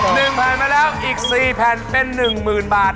หนึ่งแผ่นมาแล้วอีก๔แผ่นเป็น๑หมื่นบาท